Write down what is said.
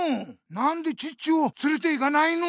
なんでチッチをつれていかないの！